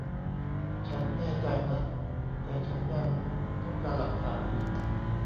ฉันแน่ใจนะ แต่ฉันยังต้องการหลักฐานอีก